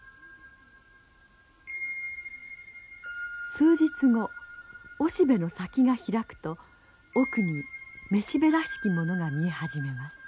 数日後オシベの先が開くと奥にメシベらしきものが見え始めます。